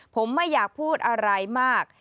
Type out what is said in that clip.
ผมไม่อยากพูดอะไรมาก